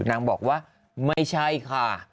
นางบอกว่าไม่ใช่ค่ะ